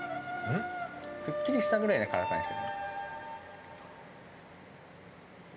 すっきりしたぐらいの辛さにして。